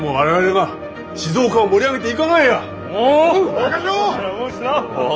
はい！